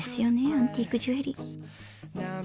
アンティークジュエリー。